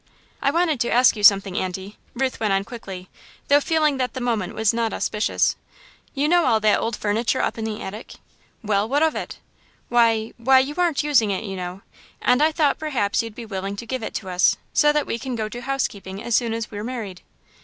"I wanted to ask you something, Aunty," Ruth went on quickly, though feeling that the moment was not auspicious, "you know all that old furniture up in the attic?" "Well, what of it?" "Why why you aren't using it, you know, and I thought perhaps you'd be willing to give it to us, so that we can go to housekeeping as soon as we're married."